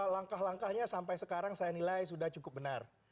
langkah langkahnya sampai sekarang saya nilai sudah cukup benar